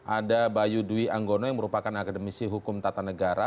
ada bayu dwi anggono yang merupakan akademisi hukum tata negara